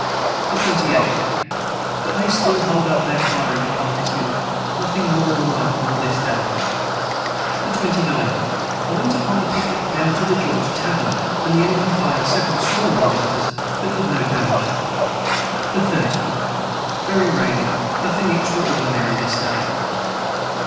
] the 28. But they still hold up their firing at Bunkers hill nothing more remarkable this day. the 29. I went upon the piquet down to the george tavern and the enemy fired several small arms at us but did us no Damage. the 30. Very rainy nothing extraordinary this day.